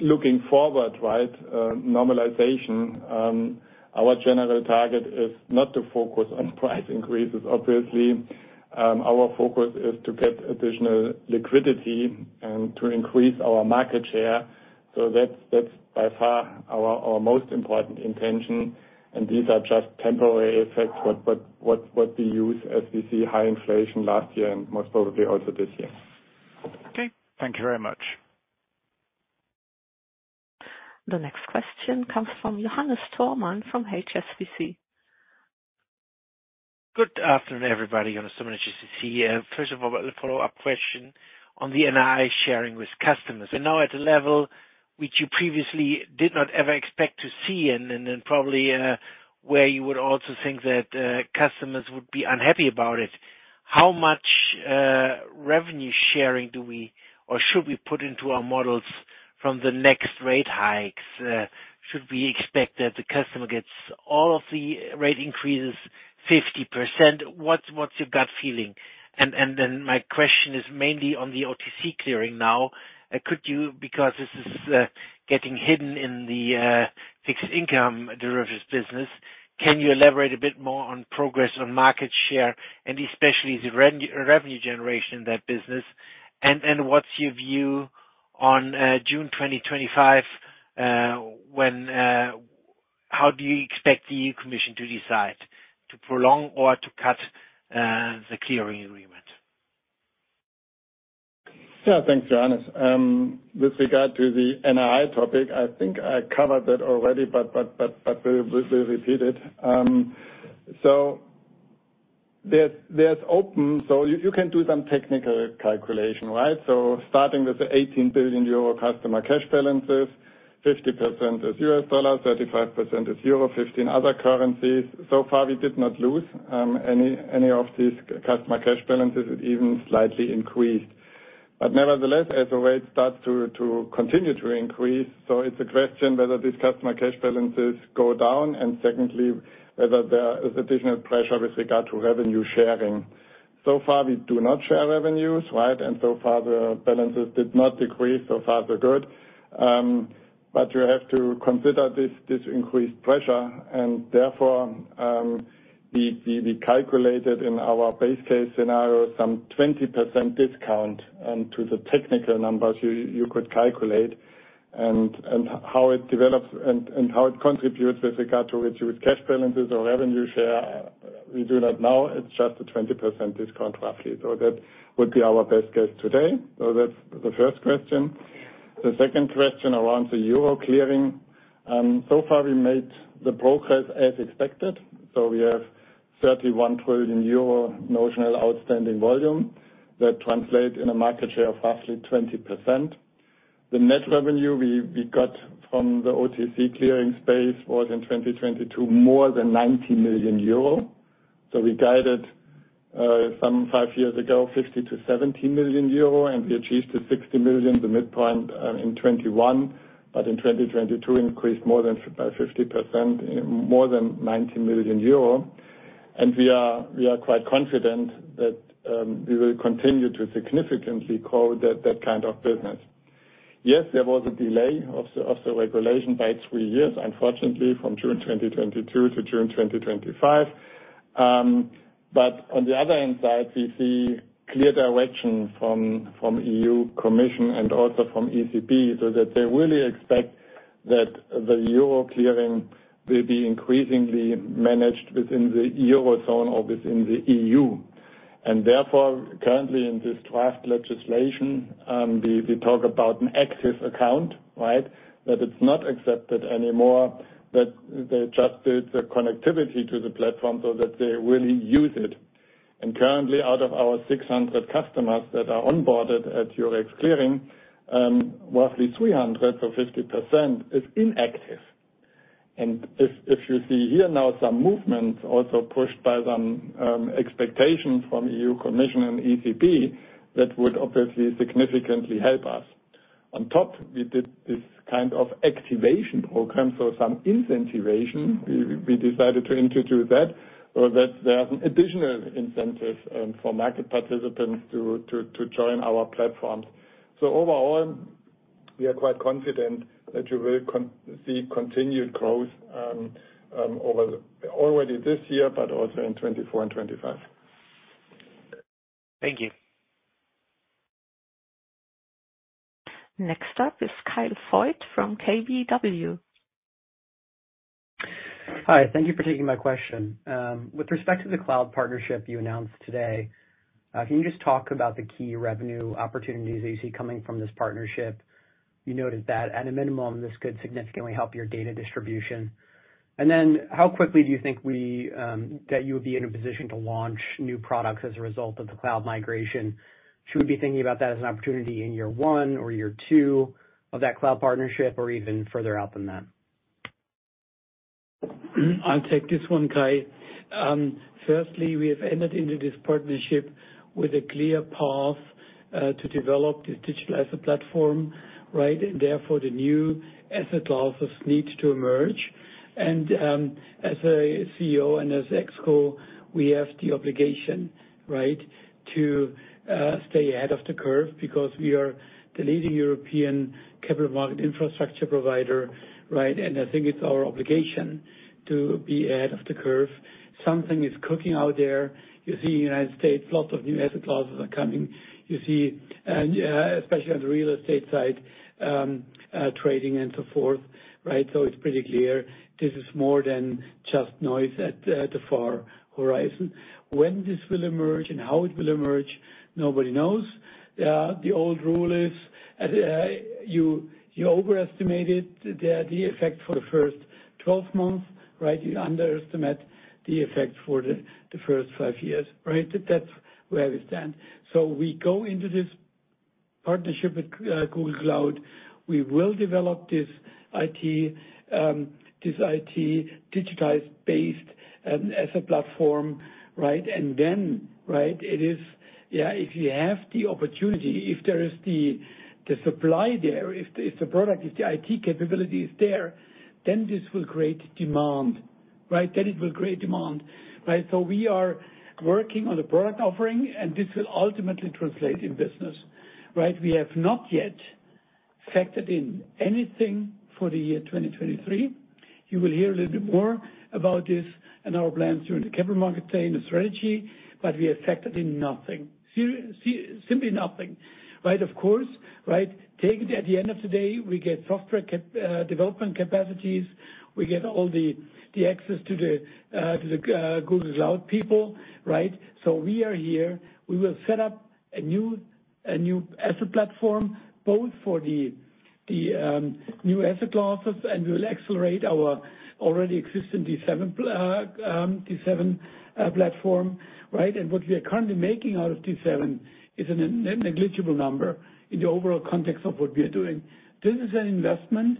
Looking forward, right, normalization, our general target is not to focus on price increases obviously. Our focus is to get additional liquidity and to increase our market share. That's by far our most important intention. These are just temporary effects. What we use as we see high inflation last year and most probably also this year. Okay. Thank you very much. The next question comes from Johannes Thormann from HSBC. Good afternoon, everybody. Johannes Thormann, HSBC. First of all, a follow-up question on the NII sharing with customers. We're now at a level which you previously did not ever expect to see and then probably where you would also think that customers would be unhappy about it. How much revenue sharing do we or should we put into our models from the next rate hikes? Should we expect that the customer gets all of the rate increases 50%? What's your gut feeling? Then my question is mainly on the OTC clearing now. Because this is getting hidden in the fixed income derivatives business, can you elaborate a bit more on progress on market share and especially the revenue generation in that business? What's your view on June 2025, when how do you expect the Commission to decide to prolong or to cut the clearing agreement? Thanks, Johannes. With regard to the NII topic, I think I covered that already, but we'll repeat it. There's open. You can do some technical calculation, right? Starting with the 18 billion euro customer cash balances, 50% is U.S. dollar, 35% is euro, 15% other currencies. So far, we did not lose any of these customer cash balances. It even slightly increased. Nevertheless, as the rate starts to continue to increase, it's a question whether these customer cash balances go down, and secondly, whether there is additional pressure with regard to revenue sharing. So far, we do not share revenues, right? So far, the balances did not decrease. So far, so good. You have to consider this increased pressure and therefore, we calculated in our base case scenario some 20% discount and to the technical numbers you could calculate and how it develops and how it contributes with regard to reduced cash balances or revenue share. We do that now, it's just a 20% discount roughly. That would be our best guess today. That's the first question. The second question around the euro clearing. So far we made the progress as expected. We have 31 trillion euro notional outstanding volume that translate in a market share of roughly 20%. The net revenue we got from the OTC clearing space was in 2022 more than 90 million euro. We guided, some five years ago, 50-70 million euro, and we achieved the 60 million, the midpoint, in 2021. In 2022 increased more than 50%, more than 90 million euro. We are quite confident that we will continue to significantly grow that kind of business. Yes, there was a delay of the regulation by three years, unfortunately, from June 2022 to June 2025. On the other hand side, we see clear direction from EU Commission and also from ECB, so that they really expect that the euro clearing will be increasingly managed within the eurozone or within the EU. Therefore, currently in this draft legislation, we talk about an active account, right. That it's not accepted anymore, that they adjusted the connectivity to the platform so that they really use it. Currently, out of our 600 customers that are onboarded at Eurex Clearing, roughly 300 or 50% is inactive. If you see here now some movements also pushed by some expectations from EU Commission and ECB, that would obviously significantly help us. On top, we did this kind of activation program, so some incentivation we decided to introduce that, so that there are some additional incentives for market participants to join our platforms. Overall, we are quite confident that you will see continued growth already this year, but also in 2024 and 2025. Thank you. Next up is Kyle Voigt from KBW. Hi, thank you for taking my question. With respect to the cloud partnership you announced today, can you just talk about the key revenue opportunities that you see coming from this partnership? You noted that at a minimum, this could significantly help your data distribution. How quickly do you think that you would be in a position to launch new products as a result of the cloud migration? Should we be thinking about that as an opportunity in year one or year two of that cloud partnership or even further out than that? I'll take this one, Kyle. Firstly, we have entered into this partnership with a clear path to develop the digital asset platform, right? Therefore, the new asset classes need to emerge. As a CEO and as ExCo, we have the obligation, right, to stay ahead of the curve because we are the leading European capital market infrastructure provider, right? I think it's our obligation to be ahead of the curve. Something is cooking out there. You see United States, lots of new asset classes are coming. You see, especially on the real estate side, trading and so forth, right? It's pretty clear this is more than just noise at the far horizon. When this will emerge and how it will emerge, nobody knows. The old rule is, you overestimate it, the effect for the first 12 months, right? You underestimate the effect for the first five years, right? That's where we stand. We go into this partnership with Google Cloud. We will develop this IT, this IT digitized based a platform, right? Then, right, if you have the opportunity, if there is the supply there, if the product, if the IT capability is there, then this will create demand, right? Then it will create demand, right? We are working on a product offering, and this will ultimately translate in business, right? We have not yet factored in anything for the year 2023. You will hear a little bit more about this and our plans during the capital market day and the strategy, we have factored in nothing. Simply nothing, right? Of course, right, take it at the end of the day, we get software development capacities. We get all the access to the Google Cloud people, right? We are here. We will set up a new asset platform, both for the new asset classes, and we'll accelerate our already existing D7 platform, right? What we are currently making out of D7 is a negligible number in the overall context of what we are doing. This is an investment,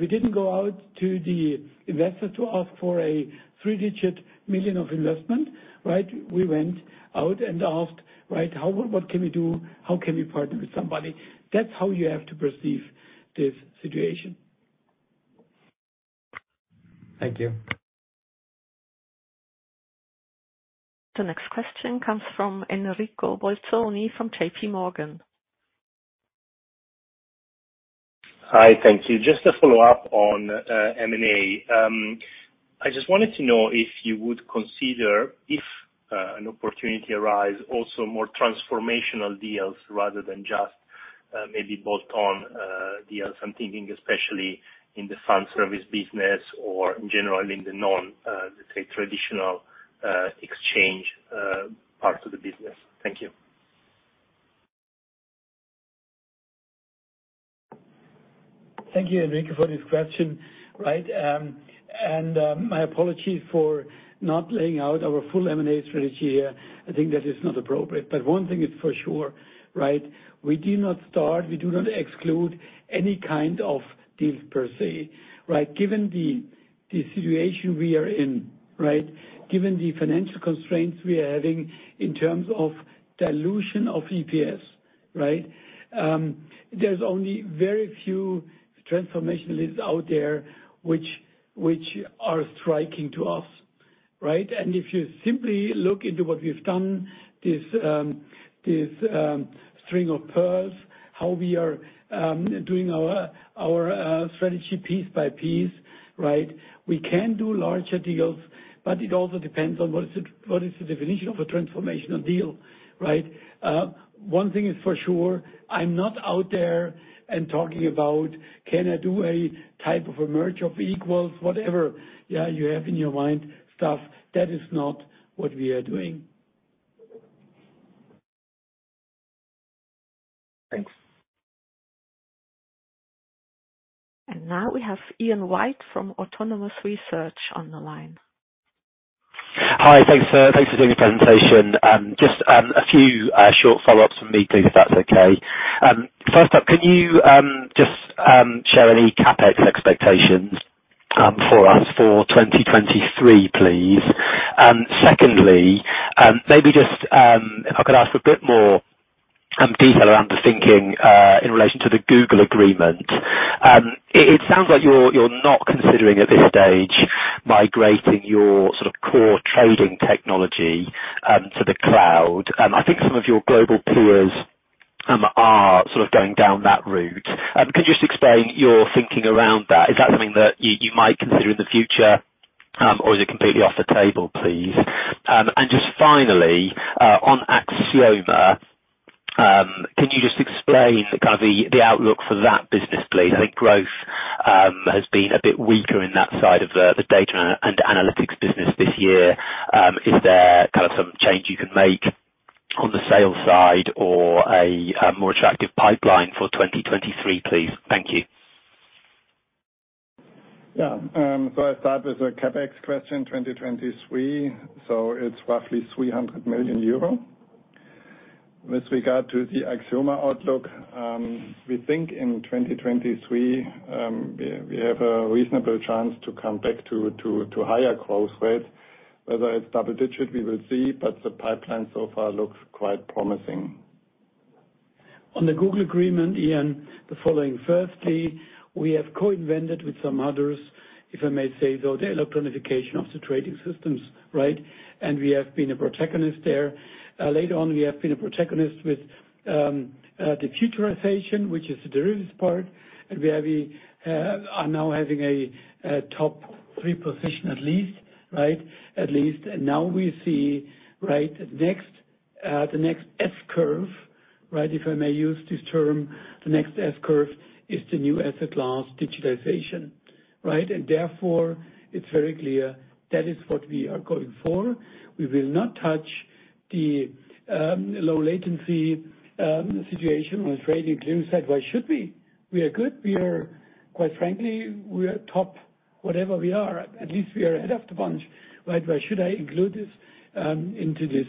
we didn't go out to the investor to ask for a three-digit million of investment, right? We went out and asked, right, "How, what can we do? How can we partner with somebody?" That's how you have to perceive this situation. Thank you. The next question comes from Enrico Bolzoni from J.P. Morgan. Hi, thank you. Just a follow-up on M&A. I just wanted to know if you would consider, if an opportunity arise, also more transformational deals rather than just maybe bolt on deals. I'm thinking especially in the fund service business or in general in the non-let's say, traditional exchange part of the business. Thank you. Thank you, Enrico, for this question. Right. My apologies for not laying out our full M&A strategy here. I think that is not appropriate. One thing is for sure, right, we do not start, we do not exclude any kind of deal per se, right? Given the situation we are in, right, given the financial constraints we are having in terms of dilution of EPS, right, there's only very few transformational lists out there which are striking to us, right? If you simply look into what we've done, this string of pearls, how we are doing our strategy piece by piece, right? We can do larger deals, but it also depends on what is the definition of a transformational deal, right? One thing is for sure, I'm not out there and talking about can I do a type of a merger of equals, whatever, yeah, you have in your mind, stuff. That is not what we are doing. Thanks. Now we have Ian White from Autonomous Research on the line. Hi. Thanks for, thanks for doing the presentation. just a few short follow-ups from me, please, if that's okay. first up, can you just share any CapEx expectations for us for 2023, please? secondly, maybe just if I could ask a bit more detail around the thinking in relation to the Google agreement. it sounds like you're not considering at this stage migrating your sort of core trading technology to the cloud. I think some of your global peers are sort of going down that route. could you just explain your thinking around that? Is that something that you might consider in the future, or is it completely off the table, please? Just finally, on Axioma, could you just explain kind of the outlook for that business, please? I think growth has been a bit weaker in that side of the data and analytics business this year. Is there kind of some change you can make on the sales side or a more attractive pipeline for 2023, please? Thank you. I start with the CapEx question, 2023. It's roughly 300 million euro. With regard to the Axioma outlook, we think in 2023, we have a reasonable chance to come back to higher growth rate. Whether it's double digit, we will see, but the pipeline so far looks quite promising. On the Google agreement, Ian, the following. Firstly, we have co-invented with some others, if I may say, though, the electronification of the trading systems, right? We have been a protagonist there. Later on, we have been a protagonist with the futurization, which is the derivatives part, and where we are now having a top three position at least, right? At least. Now we see, right, next, the next S curve, right, if I may use this term, the next S curve is the new asset class digitalization, right? Therefore, it's very clear that is what we are going for. We will not touch the low latency situation on the trading clearing side. Why should we? We are good. Quite frankly, we are top. Whatever we are, at least we are ahead of the bunch, right? Why should I include this into this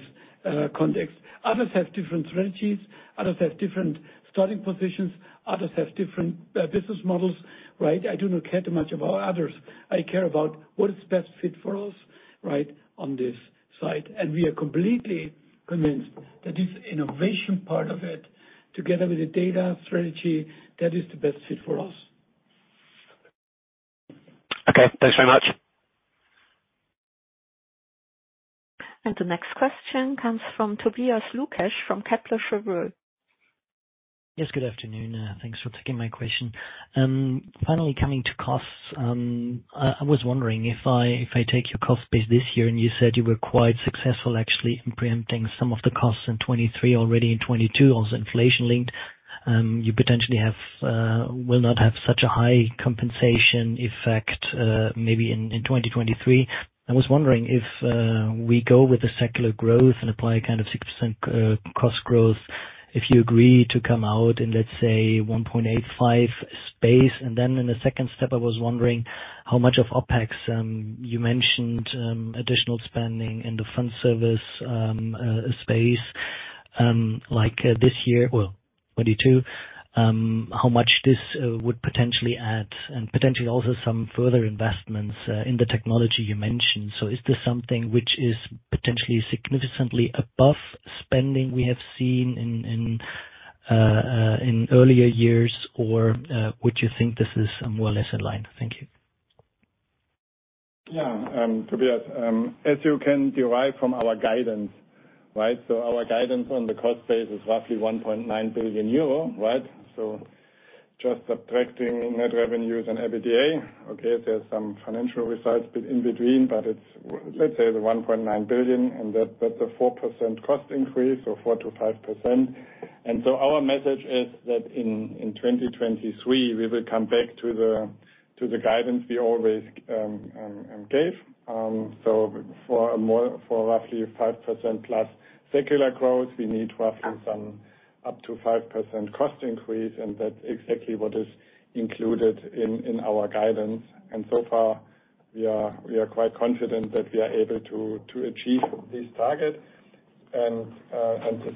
context? Others have different strategies, others have different starting positions, others have different business models, right? I do not care too much about others. I care about what is best fit for us, right, on this side. We are completely convinced that this innovation part of it, together with the data strategy, that is the best fit for us. Okay, thanks very much. The next question comes from Tobias Lukesch from Kepler Cheuvreux. Yes, good afternoon. Thanks for taking my question. Finally coming to costs, I was wondering if I take your cost base this year, and you said you were quite successful actually in preempting some of the costs in 2023, already in 2022, also inflation linked, you potentially have, will not have such a high compensation effect, maybe in 2023. I was wondering if we go with the secular growth and apply kind of 6% cost growth, if you agree to come out in, let's say, 1.85 space. In the second step, I was wondering how much of OpEx you mentioned additional spending in the front service space like this year, well, 2022, how much this would potentially add and potentially also some further investments in the technology you mentioned. Is this something which is potentially significantly above spending we have seen in earlier years, or would you think this is more or less in line? Thank you. Yeah, Tobias, as you can derive from our guidance, right? Our guidance on the cost base is roughly 1.9 billion euro, right? Just subtracting net revenues and EBITDA, okay, there's some financial results in between, but it's let's say the 1.9 billion, and that's a 4% cost increase or 4%-5%. Our message is that in 2023 we will come back to the guidance we always gave. For roughly 5% plus secular growth, we need roughly some up to 5% cost increase, and that's exactly what is included in our guidance. So far we are quite confident that we are able to achieve this target. The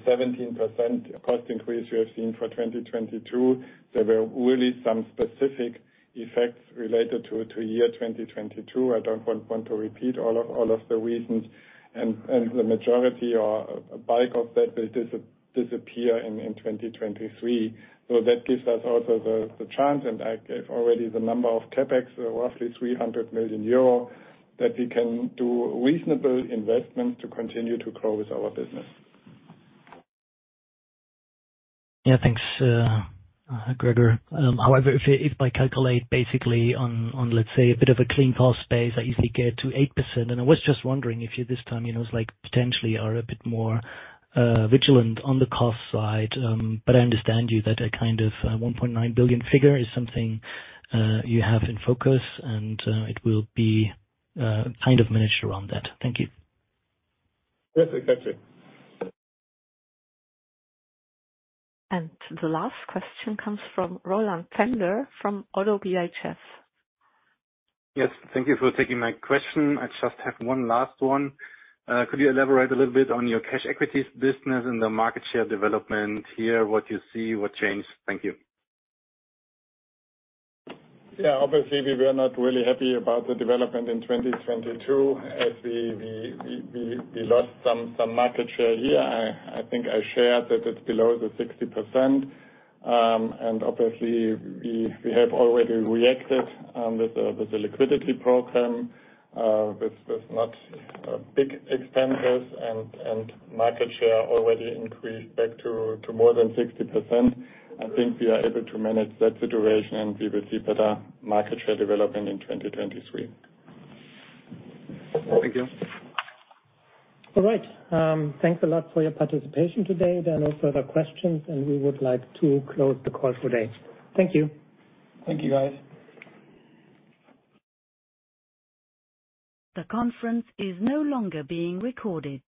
17% cost increase we have seen for 2022, there were really some specific effects related to year 2022. I don't want to repeat all of the reasons and the majority or a bulk of that will disappear in 2023. That gives us also the chance, and I gave already the number of CapEx, roughly 300 million euro, that we can do reasonable investments to continue to grow with our business. Yeah, thanks, Gregor. However, if I calculate basically on, let's say a bit of a clean cost base, I easily get to 8%. I was just wondering if you this time, you know, it's like potentially are a bit more vigilant on the cost side. I understand you that a kind of 1.9 billion figure is something you have in focus and it will be kind of managed around that. Thank you. Yes, we catch it. The last question comes from Roland Pfändner from ODDO BHF. Thank you for taking my question. I just have one last one. Could you elaborate a little bit on your cash equities business and the market share development here, what you see, what changed? Thank you. Yeah, obviously we were not really happy about the development in 2022 as we lost some market share here. I think I shared that it's below the 60%. Obviously we have already reacted with the liquidity program, with not big expenses and market share already increased back to more than 60%. I think we are able to manage that situation, and we will see better market share development in 2023. Thank you. All right. Thanks a lot for your participation today. There are no further questions. We would like to close the call today. Thank you. Thank you, guys. The conference is no longer being recorded.